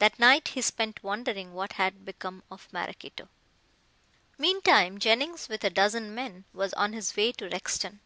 That night he spent wondering what had become of Maraquito. Meantime, Jennings, with a dozen men, was on his way to Rexton.